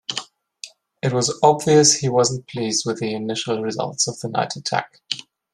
It was obvious he wasn't pleased with the initial results of the night attack.